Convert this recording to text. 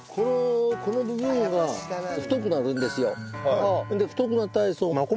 この部分が太くなるんですよ。